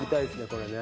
これね。